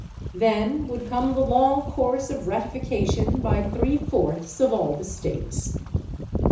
Then would come the long course of ratification by three fourths of all the states.